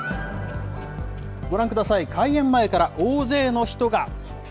ご覧ください、開園前から大勢の人が。